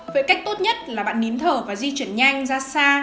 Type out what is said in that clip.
vậy cách tốt nhất là bạn nín thở và di chuyển nhanh ra xa